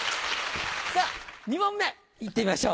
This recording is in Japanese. さぁ２問目いってみましょう。